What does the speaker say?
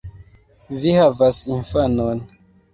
Vi havas infanon!